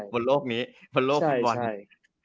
บนโลกนี้บนโลกภูมิ